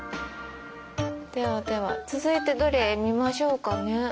ではでは続いてどれ見ましょうかね。